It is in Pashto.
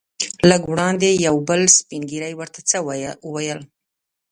لږ وړاندې یو بل سپین ږیری ورته څه وویل.